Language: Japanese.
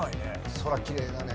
空きれいだね。